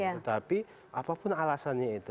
tetapi apapun alasannya itu